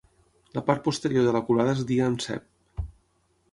La part posterior de la culada es deia encep.